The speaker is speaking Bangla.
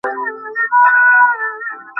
হ্যালো, নায়না।